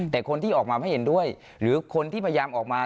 แต่คนที่ออกมาไม่เห็นด้วยหรือคนที่พยายามออกมา